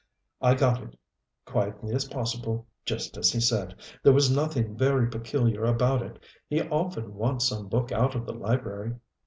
"I got it quietly as possible just as he said. There was nothing very peculiar about it he often wants some book out of the library.